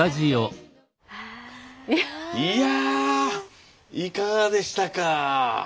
いやあいかがでしたか。